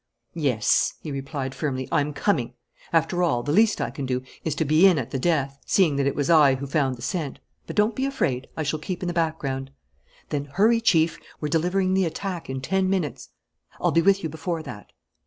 "Yes," he replied, firmly, "I'm coming. After all, the least I can do is to be in at the death, seeing that it was I who found the scent. But don't be afraid. I shall keep in the background." "Then hurry, Chief. We're delivering the attack in ten minutes." "I'll be with you before that."